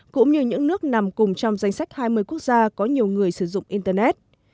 cũng như những nước nằm cùng trong danh sách hai mươi quốc gia có nhiều người sử dụng internet